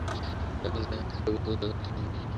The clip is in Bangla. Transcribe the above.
যখন যা করবি, খুব একান্তমনে করবি।